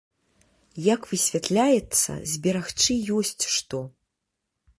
Як высвятляецца, зберагчы ёсць што.